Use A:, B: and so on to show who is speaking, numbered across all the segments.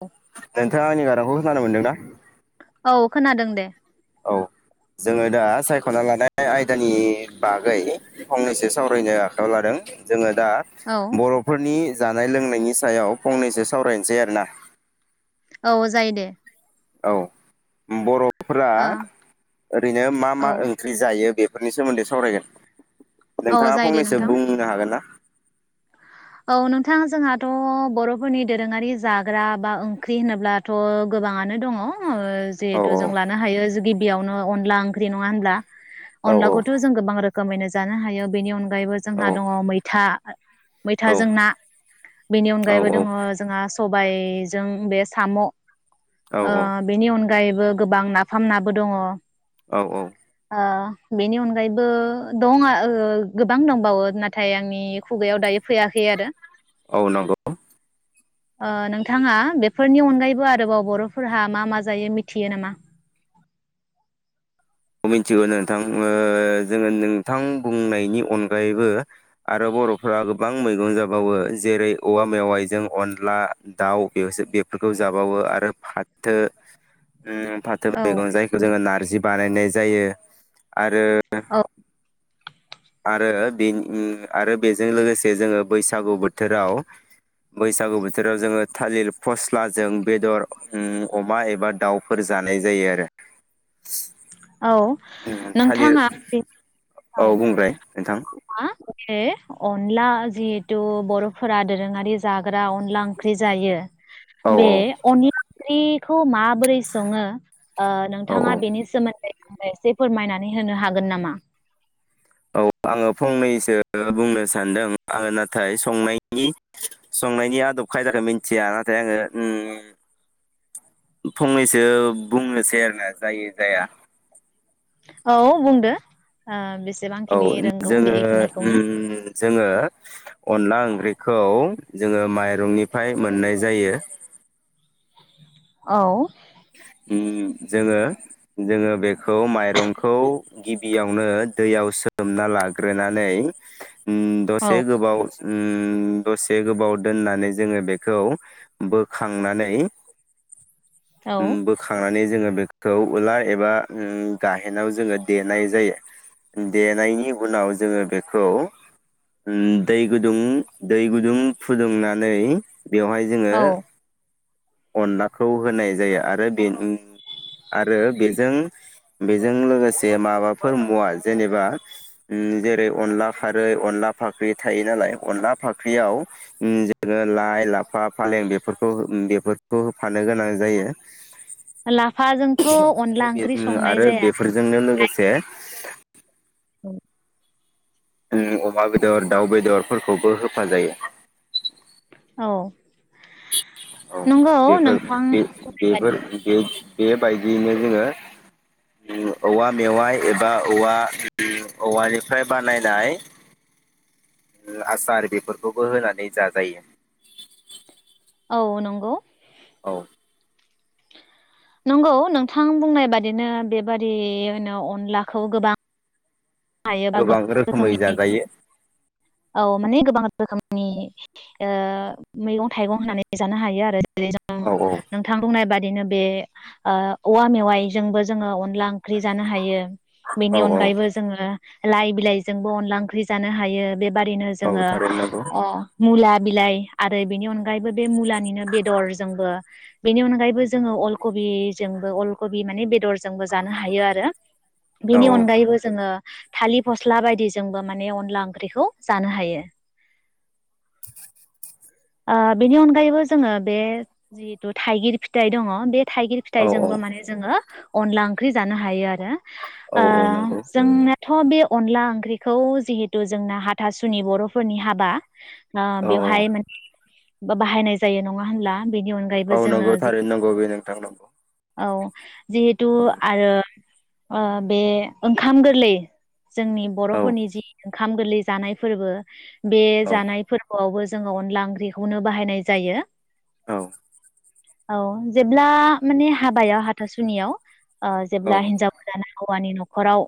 A: औ
B: नोंथाङा आंनि गारांखौ खोनानो मोनदों ना
A: औ खोनादों दे
B: औ जोङो दा सायखना लानाय आयदानि बागै फंनैसो सावरायनो आखायाव लादों जोङो दा
A: औ
B: बर'फोरनि जानाय लोंनायनि सायाव फंनैसो सावरायनोसै आरोना
A: औ जायो दे
B: औ बर' फोरा
A: ओ
B: ओरैनो मा
A: औ
B: मा ओंख्रि जायो बे फोरनि सोमोन्दै सावरायगोन
A: औ
B: नोंथाङा
A: जायो दे
B: फंनैसो
A: नोंथां
B: बुंनो हागोन ना?
A: औ नोंथां जोंहाथ‌ बरफोरनि दोरोङारि जाग्रा बा ओंख्रि होनोब्लाथ गोबाङानो दङ
B: औ
A: जिहेथु जों लानो हायो जुदि बेयावनो अनला ओंख्रि नङा होनब्ला
B: औ
A: अनलाखौथ जोङो गोबां रोखो यनो जानो हायो बेनि अनगा अगायबो
B: औ
A: जोंहा दङ मैथा
B: औ
A: मैथाजों ना बेनि
B: औ
A: अनगायैबो दङ जोंहा स बायजों बे साम ओ बेनि अन गगायैबो गोबां नाफाम नाबो दङ
B: औ औ
A: ओ बेनि अनगायैबो दं आ ओ गोबां दंबावो नाथाय आंनि खुगायाव दायो फैयाखै आरो
B: औ नंगौ
A: ओ नोंथाङा बेफोरनि अनगायैबो आरोबाव बरफोरहा मा मा जायो मिथियो नामा
B: मिथिगौ नोंथां ओ जोङो नोंथां बुंनायनि अनगायैबो आरो बरफोरा गोबां मैगं जाबावो जेरै औवा मेवाइजों अनला दाउ बे बेफोरखौ जाबावो आरो फाथो फाथो
A: औ
B: मैगं जायखौ जों नार्जि बानायनाय ज जायो आरो
A: औ
B: आरो बे ओम आरो बेजों लोगोसे जोङो बैसागु बोथोराव बैसागु बोथोराव जोङो थालिर फस्लाजों बेदर ओम अमा एबा दाउफोर जानाय जायो आरो
A: [inaudible] औ
B: थालिर
A: नोंथाङा
B: औ बुंबाय नोंथां
A: [unintelligible] अके अनला जिहेथु बर'फोरा दोरोङारि जाग्रा अनला ओंख्रि जायो।
B: औ
A: बे अनला ख्रिखौ माबोरै सङो ओ
B: औ
A: नोंथाङा
B: औ
A: बेनि सोमोन एसे फोरमायनानै होनो हागोन नामा
B: औ आङो फंनैसो बुंनो सान्दों आङो नाथाय संनायनि संनायनि आदब खायदाखौ मिथिया नाथाय आङो ओम फंनैसो बुंनोसै आरोना जायो जाया
A: औ बुंदो ओ
B: औ
A: बेसेबांखिनि रोंगौ
B: जोङो
A: बेखिनिखौनो
B: ओम जोङो अनला ओंख्रिखौ जोङो माइरंनिफ्राय मोननाय जायो।
A: औ
B: ओम जोङो जोङो बेखौ माइरंखौ गिबियावनो दैयाव सोमना लाग्रोनानै उम दसे गोबाव उम दसे गोबाव दोननानै जोङो बेखौ बोखांनानै
A: औ
B: ओम बोखांनानै जोङो बेखौ उलार एबा गाहेनाव जोङो देनाय जायो देनायनि उनाव जोङो बेखौ ओम दै गुदुं दै गुदुं फुदुंनानै बेवहाय जोङो
A: औ
B: अनलाखौ होनाय जायो आरो बे आरो बेजों बेजों लोगोसे माबाफोर मुवा जेनेबा जेरै अनला खारै अनला फाख्रि थायो नालाय अनला फाख्रियाव जोङो लाइ लाफा फालें बेफोरखौ बेफोर खौ होफानो गोनां जायो।
A: लाफाजोंथ'
B: आरो
A: अनला
B: बे
A: ओंख्रि संनाय
B: आरो
A: जाया
B: बेफोरजोंनो लोगोसे उम अमा बेदर दाउ बेदरफोरखौबो होफा जायो।
A: औ
B: औ
A: नंगौ
B: बेफोर
A: नोंथां
B: बे बेफोर बे बेबायदियैनो जोङो औवा मेवाइ एबा औवा ओम औवानिफ्राय बानायनाय आसार बेफोरखौबो होनानै जाजायो।
A: औ नंगौ
B: औ
A: नंगौ नोंथां बुंनाय बादिनो बेबादिनो अनलाखौ गोबां हायोबा
B: गोबां रोखोमै
A: रोखोमनि
B: जाजायो।
A: औ माने गोबां रोखोमनि ओ मैगं थाइगं होनानै जानो हायो आरो रै जों
B: औ औ
A: नोंथां बुंनाय बाद दिनो बे ओ औवा मेवाइजोंबो जोङो अनला ओंख्रि जानो हायो बेनि
B: औ औ
A: अनगायैबो जों लाइ बिलाइजोंबो अनला ओंख्रि जानो हायो बे बादिनो
B: औ
A: जोङो
B: थारैनो नंगौ
A: अ मुला बिलाइ आरो बेनि अनगायैबो बे मुलानिनो बेदरजोंबो बेनि अनगायैबो जोङो अलकबिजोंबो अलकबि माने बेदर जोंबो जानो हायो आरो
B: औ
A: बेनि अनगायैबो ओ थालिर फस्ला बायदिजोंबो माने अनला ओंख्रिखौ जानो हायो ओ बेनि अनगायैबो जोङो बे जिहेथु थाइगिर फिथाइ दङ बे थाइगिर
B: औ
A: फिथाइजोंबो माने जोङो अनला ओंख्रि जानो हायो आरो
B: औ
A: ओ
B: औ नंगौ
A: जोङो थ बे अनला ओंख्रिखौ जिहेतु जोंना हाथासुनि बरफोरनि हाबा अ
B: औ
A: बेवहाय
B: औ
A: माने बाहायनाय जायो नङा होनब्ला बेनि अनगायैबो
B: औ
A: जोङो
B: नगौ
A: जि
B: थारै नगौ बि नोंथां नंगौ
A: औ जिहेतु
B: औ
A: आरो अ बे ओंखाम गोरलै जोंनि
B: औ
A: बरफोरनि जि दं ओंखाम गोरलै जानाय फोरबो बे जानाय फोरबोआवबो जोङो अनला ओंख्रि बेखौनो बाहायनाय जायो
B: औ
A: औ जेब्ला माने हाबायाव हाथासुनियाव अ
B: औ
A: जेब्ला हिनजावफोरा ना हौवानि न नखराव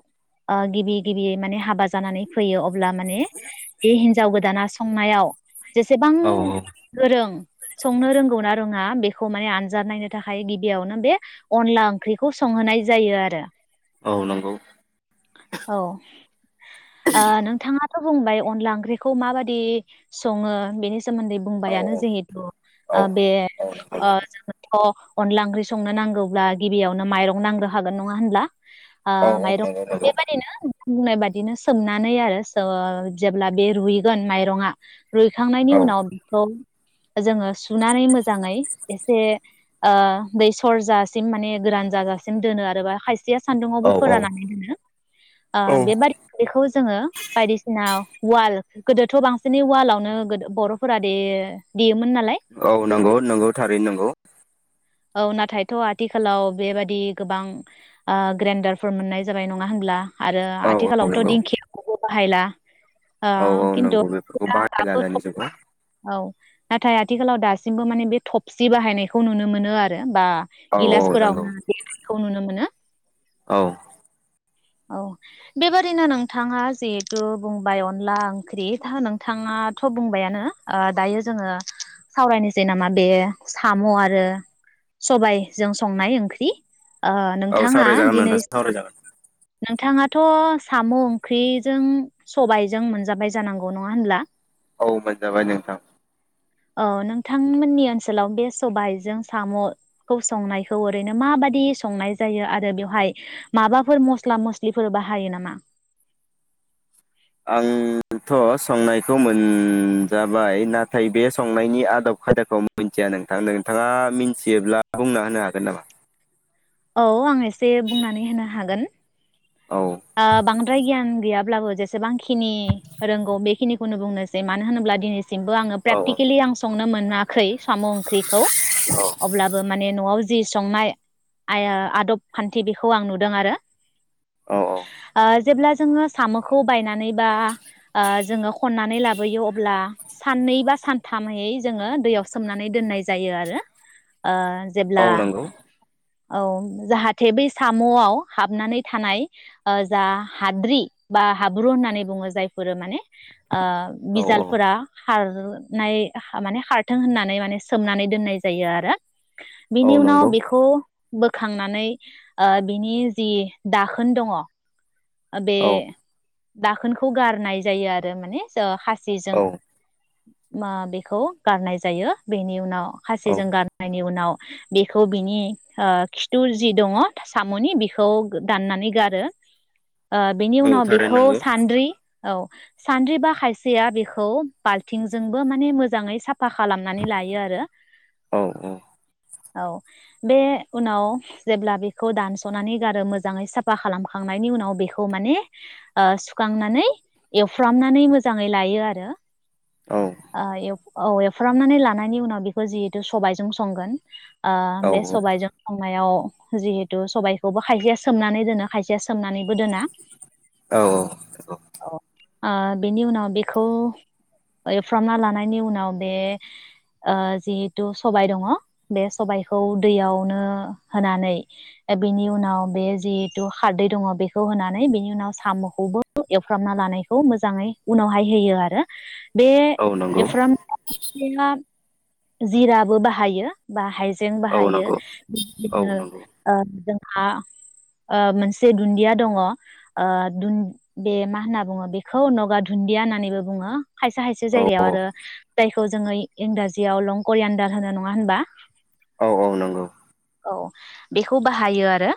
A: ओ गिबि गिबि माने हाबा जानानै फैयो अब ला माने बे हिनजाव गोदाना संनायाव जेसेबां
B: औ औ
A: गोरों संनो रोंगौ ना रोङा बेखौ माने आनजाद नायनो थाखाय गिबियावनो बे अनला ओंख्रिखौ संहोनाय जायो आरो
B: औ नंगौ
A: औ ओ नोंथाङा थ बुंबाय अनला ओंख्रिखौ माबादि सङो बेनि सोमोन्दै
B: औ
A: बुंबायानो जिहेथु
B: औ
A: ओ बे
B: औ नंगौ
A: ओ जोंथ अनला ओंख्रि संनो नांगौब्ला गिबियावनो माइरं नांग्रोखागोन नङा होनब्ला ओ
B: औ औ
A: माइरं
B: नंगौ
A: बे
B: नंगौ
A: बादिनो बुंनाय बादिनो सोमनानै आरो स जेब्ला बे रुइगोन माइरंआ रुइखांनायनि
B: औ
A: उनाव जोङो सुनानै मोजाङै एसे ओ दै सरजासिम माने गोरान जाजासिम दोनो आरोबा खाय सिया सान्दुङावबो
B: औ औ
A: फोरानाखै दोनो ओ
B: औ
A: बे बारि बेखौ जोङो बायदिसिना वाल गोदोथ' बांसिनै वालावनो गोदो बरफ फुरा दे देयोमोन नालाय
B: औ नंगौ नंगौ थारैनो नंगौ
A: औ नाथायथ आथिखालाव बेबादि गोबां ओ ग्रेडारफोर मोननाय जाबाय नङा होनब्ला आरो
B: औ औ
A: आथिखालावथ
B: नंगौ
A: दिंखियाखौबो बाहायला ओ
B: औ औ
A: खिन्थु
B: नंगौ बेफोरखौ
A: दा
B: बाहायला
A: दाबो
B: दानि जुगाव
A: औ नाथाय आथिखालाव दासिमबो माने बे थफसि बाहायनायखौ नुनो मोनो आरो बा
B: औ औ नंगौ
A: गिलासफोरावनो देनायखो नुनो मोनो
B: औ
A: औ बेबादिनो नोंथाङा जिहेथु बुंबाय अनला ओंख्रि दा नोंथाङाथ बुंबायानो दायो जोङो सावरायनोसै नामा बे साम आरो सबायाइजों संनाय ओंख्रि ओ
B: औ
A: नोंथाङा
B: सावराय जागोन
A: दिनै
B: नोंथां सावराय जागोन
A: नोंथाङाथ साम ओंख्रिजों सबायजों मोनजाबाय जानांगौ नङा होनब्ला?
B: औ मोनजाबाय नोंथां
A: औ नोंथांमोननि ओनसोलाव बे सबाइजों सामखौ संनायखौ ओरैनो माबादि संनाय जायो आरो बेवहाय माबाफोर मस मस्ला मस्लिफोर बाहायो नामा?
B: आंथ संनायखौ मोनजाबाय नाथाय बे संनायनि आदब खायदाखौ मिथिया नोंथां नोंथाङा मिथियोब्ला बुंना होनो हागोन नामा?
A: औ आं एसे बुंनानै होनो हागोन
B: औ
A: ओ बांद्राय गियान गैयाब्लाबो जेसेबांखिनि रोंगौ बेखिनिखौनो बुंनोसै मानो होनोब्ला दिनै सिमबो आङो
B: औ
A: प्रेटिकेलिं आं सा नुनो मोनाखै साम ओंख्रिखौ
B: औ
A: अब्लाबो माने नआव जि संनाय आया आदब खान्थि बेखौ आं नुदों आरो
B: औ
A: ओ जेब्ला जोङो सामखौ बायनानै बा जोङो खननानै लाबोयो अब्ला साननै बा सानथामै जोङो दैयाव सोमनानै दोननाय जायो। आरो ओ
B: औ
A: जेब्ला
B: नोंगौ
A: औ जाहाथे बै सामआव हाबनानै थानाय जा हाद्रि बा हाब्रु होननानै बुङो जायफोरो माने ओ
B: औ
A: बिजालफोरा खारनाय माने खारथों होननानै माने सोमनानै दोननाय जायो। आरो
B: औ
A: बिनि उनाव
B: नंगौ
A: बिखौ बोखांनानै ओ बिनि जि दाखो होन दङ। ओ बे
B: औ
A: दाखोनखौ गारनाय जायो आरो माने जो खास जेजों
B: औ
A: मा बेखौ गारनाय जायो बेनि उनाव
B: औ
A: खासिजों गारनायनि उनाव बेखौ बिनि ओ खिथु जि दङ साम'नि बेखौ दाननानै गारो ओ बेनि
B: औ
A: उनाव
B: थारैनो
A: बेखौ
B: नंगौ
A: सान्द्रि औ सान्द्रि बा खायसेया बेखौ बाल्थिंजोंबो माने मोजाङै साफ साफा खालामनानै लायो आरो
B: औ
A: औ बे उनाव जेब्ला बेखौ दानस'नानै गारो मोजाङै साफा खालामखांनायनि उनाव बे खौ माने सुखांनानै एवफ्रामनानै मोजाङै लायो आरो
B: औ
A: आ औ एवफ्रामनानै लानायनि उनाव बेखौ जिहेतु सबायजों संगोन ओ बे
B: औ
A: सबायजों संनायाव जिहेथु सबायखौबो खायसेया सोमनानै दोनो खायसेया सोमनानैबो दोना
B: औ औ औ
A: ओ बेनि उनाव बेखौ एफ्रामना लानायनि उनाव बे जिहेथु सबाय दङ बे सबायखौ दैयावनो होनानै बेनि उनाव बे जिहेतु खारदै दङ बेखौ होनानै बिनि उनाव साम'खौबो एवफ्रामना लानायखौ मोजाङै उनावहाय होयो आरो बे
B: औ नंगौ
A: एवफ्रामनाया जिराबो बाहायो बा हाय जों
B: औ नंगौ
A: बाहायोनो
B: औ
A: बिदिनो
B: नंगौ
A: ओ जों आं ओ मोनसे दुन्दिया दङ ओ दुन बे मा होनना बुङो बेखौ नगा दुन्दिया होननानैबो बुङो खायसे खायसे
B: औ
A: जायगायाव आरो फिथाइखौ जोङै इंराजियाव लं करियानदार होनो नङा होनबा
B: औ औ नंगौ
A: औ बेखौ बाहायो आरो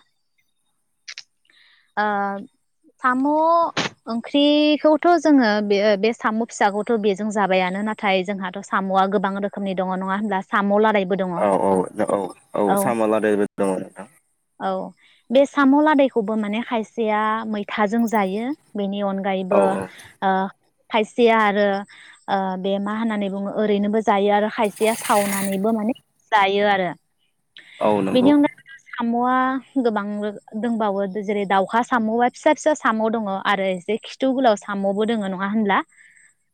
A: आ साम' ओंख्रिखौथ' जोङो बे बे साम' फिसाखौथ' बेजों जाबायानो नाथाय जोंहाथ' साम'आ गोबां रोखोमनि दङ नङा होनब्ला साम' लादायबो दङ
B: औ औ औ औ साम'लादायबो दङ नोंथां
A: औ बे साम लादायखौबो माने खाय या मैथाजों जायो बेनि
B: औ
A: अनगायैबो
B: औ
A: ओ खायसेया आरो ओ बे मा होननानै बुङो ओरैनोबो जायो आरो खायसेया सावनानैबो माने जायो आरो
B: औ
A: बेनि
B: नंगौ
A: अनगायैबो साम'आ गोबां दंबावो जेरै दावखा साम'आ फिसा फिसा साम' दङ आरो एसे खिथु गोलाव साम'बो दङ नङा होनब्ला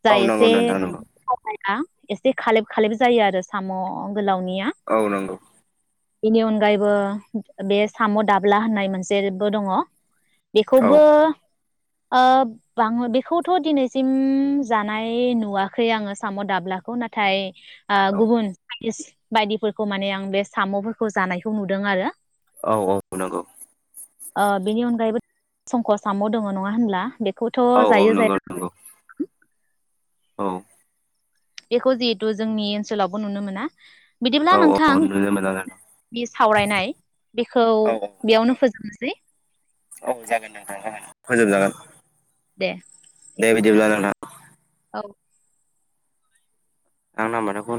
A: जा
B: औ नंगौ
A: एसे
B: नोंथां नंगौ
A: [unintelligible] आ एसे खालेब खालेब जायो आरो साम' गोलावनिया
B: औ नंगौ
A: बेनि अनगायैबो बे साम' दाब्ला होननाय मोनसेबो दङ
B: औ
A: बेखौबो ओ बाङो बेखौथ' दिनैसिम जानाय नुवाखै आङो साम' दाब्लाखौ नाथाय आ गुबुन [unintelligible] बायदिफोरखौ माने आं बे साम'फोरखौ जानायखौ नुदों आरो
B: औ औ नंगौ
A: ओ बिनि अनगायैबो [inaudible] संख' आसामाम' दङ नङा होनब्ला बे खौथ'
B: औ औ
A: जायो
B: नंगौ
A: जाया
B: नंगौ औ
A: बेखौ जिहेतु जोंनि ओनसोलावबो नुनो मोना बिदिब्ला
B: औ
A: नोंथां
B: औ नुनो मोना नोंथां
A: बे सावरायनाय बेखौ
B: औ
A: बेयावनो फोजोबनोसै [unintelligible]
B: औ जागोन नोंथां जागोन फोजोबजागोन
A: दे
B: दे बिदि [unintelligible]
A: औ
B: [unintelligible]